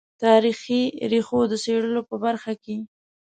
تاریخي ریښو د څېړلو په برخه کې.